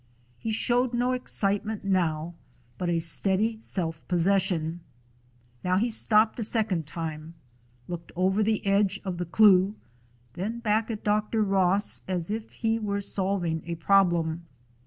He showed no excitement now, but a steady self possession. Now he stopped a second time, looked over the edge of the cleuch, then back at Dr. Ross, as if he were solving a problem.